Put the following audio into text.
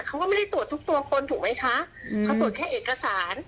เขาก็ไม่ได้ตรวจทุกตัวคนถูกไหมคะเขาตรวจแค่เอกสาร